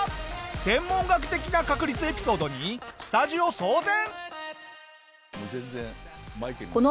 天文学的な確率エピソードにスタジオ騒然！